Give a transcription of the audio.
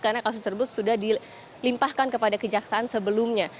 karena kasus tersebut sudah dilimpahkan kepada kejaksaan sebelumnya